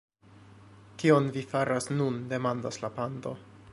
"Kion vi faras nun?" demandas la pando.